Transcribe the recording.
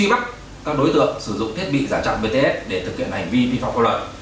truy bắt các đối tượng sử dụng thiết bị giả trọng bts để thực hiện hành vi vi phạm câu lợi